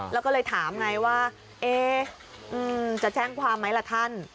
แล้วก็เลยถามไงว่าจะแจ้งความไหมล่ะท่าน